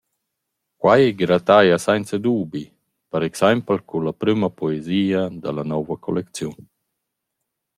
Quai grataja sainza dubi per exaimpel cun la prüma poesia da la nouva collecziun.